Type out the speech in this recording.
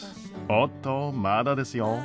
おっとまだですよ。